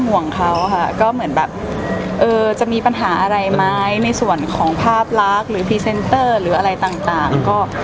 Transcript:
ว่าจะมีปัญหาอะไรไหมในส่วนของภาพลักษณ์หรือพรีเซนเตอร์หรืออะไรต่าง